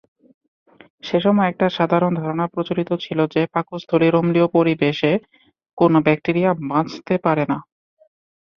সেসময় একটা সাধারণ ধারণা প্রচলিত ছিলো যে পাকস্থলীর অম্লীয় পরিবেশে কোনো ব্যাক্টেরিয়া বাঁচতে পারবে না।